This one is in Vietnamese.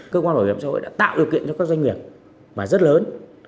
cơ quan bảo hiểm xã hội đã tạo điều kiện cho các doanh nghiệp mà rất lớn